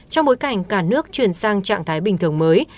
trong bối cảnh cả nước chuyển sang trạng thái bình thường mới